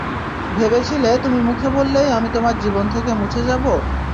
ভেবেছিলে তুমি মুখে বললেই আমি তোমার জীবন থেকে মুছে যাব?